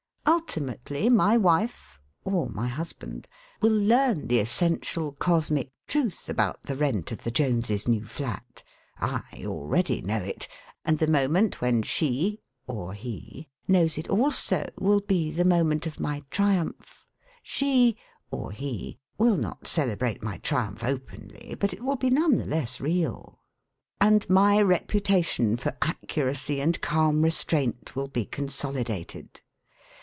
Ultimately my wife (or my husband) will learn the essential cosmic truth about the rent of the Joneses' new flat. I already know it, and the moment when she (or he) knows it also will be the moment of my triumph. She (or he) will not celebrate my triumph openly, but it will be none the less real. And my reputation for accuracy and calm restraint will be consolidated.